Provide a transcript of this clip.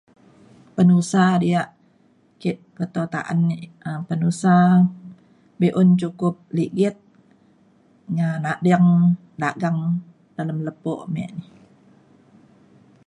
Penusa diak ke peto ta’an um penusa be’un cukup ligit ngan nading dagang dalem lepo me ni.